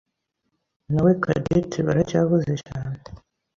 nawe Cadette baracyahuze cyane.